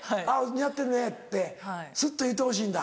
「似合ってるね」ってスッと言ってほしいんだ。